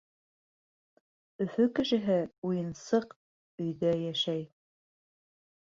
Өфө кешеһе уйынсыҡ «өй»ҙә йәшәй.